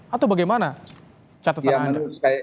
atau bagaimana catatan anda